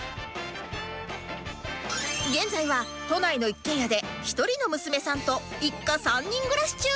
現在は都内の一軒家で１人の娘さんと一家３人暮らし中